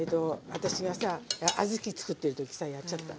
私がさ小豆作ってる時さやっちゃった。